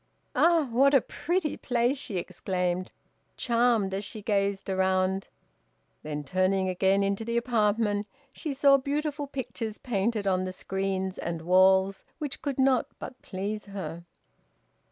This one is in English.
"Ah! what a pretty place," she exclaimed, charmed as she gazed around. Then, turning again into the apartment, she saw beautiful pictures painted on the screens and walls, which could not but please her.